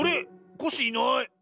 コッシーいない。